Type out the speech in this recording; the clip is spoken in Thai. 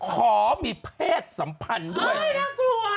ขอมีเพศสัมพันธ์ด้วยเฮ้ยน่ากลัว